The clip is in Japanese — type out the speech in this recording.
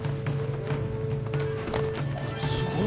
すごい。